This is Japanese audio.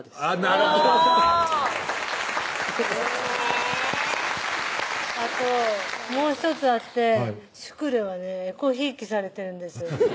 なるほどあともう１つあってシュクレはねえこひいきされてるんです